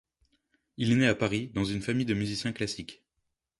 Il est né à Paris, dans une famille de musiciens classiques.